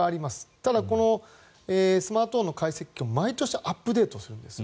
ただ、このスマートフォンの解析というのは毎年アップデートするんです。